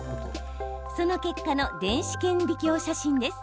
その結果の電子顕微鏡写真です。